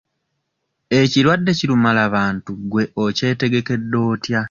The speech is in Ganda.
Ekirwadde ki lumala bantu gwe okyetegekedde otya?